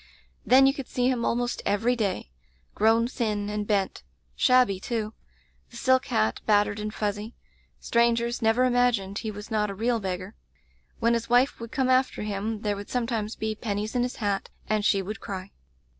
Then you could see him almost every day — ^grown thin and bent; shabby, too; the silk hat battered and fuzzy. Strangers never imagined he was not a real beggar. When his wife would come after him there would sometimes be pennies in his hat, and she would cry.